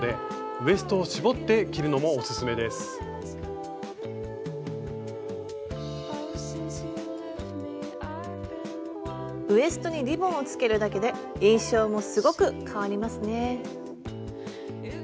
ウエストにリボンをつけるだけで印象もすごく変わりますね。